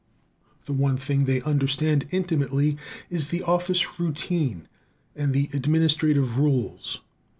The one thing they understand intimately is the office routine and the administrative rules.